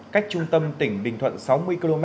cách trung tâm tỉnh bình thuận sáu mươi km